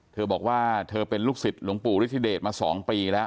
เธอบอกว่าเธอเป็นลูกศิษย์หลวงปู่ฤทธิเดชมา๒ปีแล้ว